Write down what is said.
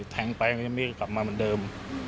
แทงไปมันยังไม่กลับมาเหมือนเดิม